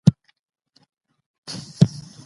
حکومتونه د خلګو له ملاتړ پرته نه سي پايېدای.